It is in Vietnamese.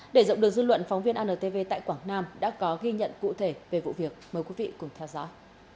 để rộng được dư luận phóng viên antv tại quảng nam đã có ghi nhận cụ thể về vụ việc mời quý vị cùng theo dõi